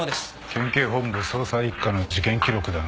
県警本部捜査一課の事件記録だな。